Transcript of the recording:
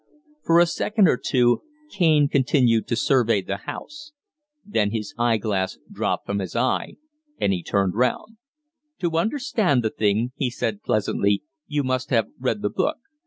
For a second or two Kaine continued to survey the house; then his eye glass dropped from his eye and he turned round. "To understand the thing," he said, pleasantly, "you must have read the book.